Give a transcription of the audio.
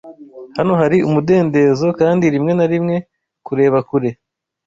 Hano hari umudendezo, kandi rimwe na rimwe kureba kure